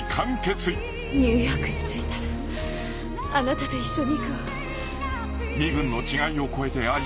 ニューヨークに着いたらあなたと一緒に行くわ。